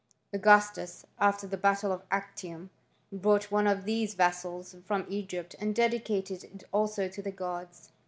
Augus tus, after the battle of Actium, brought one of these vessels from Egypt, and dedicated it also to the gods.